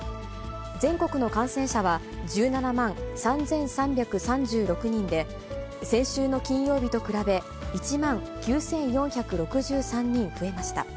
全国の感染者は、１７万３３３６人で、先週の金曜日と比べ、１万９４６３人増えました。